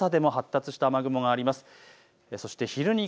朝でも発達した雨雲があります。